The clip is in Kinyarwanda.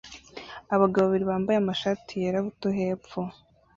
Abagabo babiri bambaye amashati yera buto hepfo